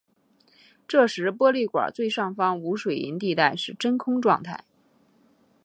这时玻璃管最上方无水银地带是真空状态。